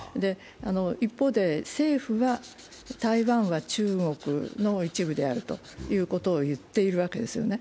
一方で政府が台湾は中国の一部であるということを言っているわけですよね。